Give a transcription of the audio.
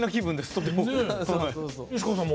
とても。